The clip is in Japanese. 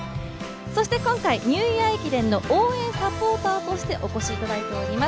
今回、ニューイヤー駅伝の応援サポーターとしてお越しいただいています